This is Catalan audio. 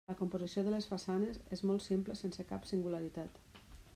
La composició de les façanes és molt simple sense cap singularitat.